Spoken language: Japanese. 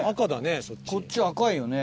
こっち赤いよね。